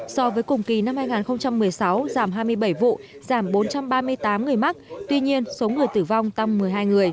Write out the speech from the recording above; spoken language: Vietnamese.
so với cùng kỳ năm hai nghìn một mươi sáu giảm hai mươi bảy vụ giảm bốn trăm ba mươi tám người mắc tuy nhiên số người tử vong tăng một mươi hai người